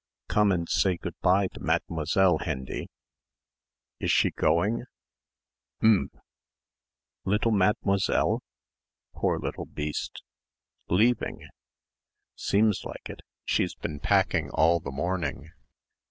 "Come and say good bye to Mademoiselle, Hendy." "Is she going?" "Umph." "Little Mademoiselle?" "Poor little beast!" "Leaving!" "Seems like it she's been packing all the morning."